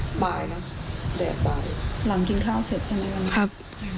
เราก็เลยหยุดเลยครับ